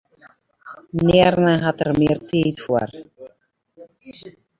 Nearne hat er mear tiid foar.